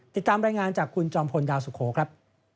ติดตามรายงานจากคุณจอมพลดาวสุโขครับ